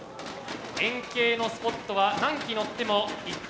円形のスポットは何機のっても１点。